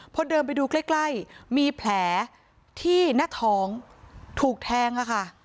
พอเดินไปดูใกล้ใกล้มีแผลที่หน้าท้องถูกแทงอะค่ะ